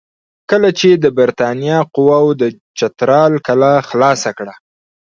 کله چې د برټانیې قواوو د چترال کلا خلاصه کړه.